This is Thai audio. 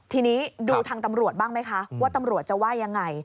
ทีนี้ดูทางตำรวจบ้างไหมคะว่าตำรวจจะว่ายังไง